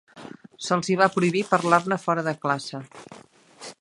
Se'ls hi va prohibir parlar-ne fora de classe.